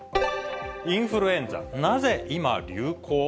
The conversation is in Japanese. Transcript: インフルエンザ、なぜ今流行？